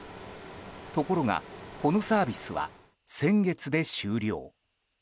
ところが、このサービスは先月で終了。